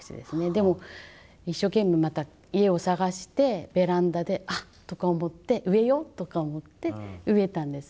でも一生懸命また家を探してベランダで「あっ！」とか思って「植えよう」とか思って植えたんですね。